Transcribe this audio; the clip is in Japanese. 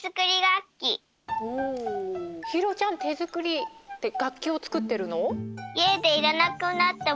ひいろちゃんてづくりでがっきをつくってるの？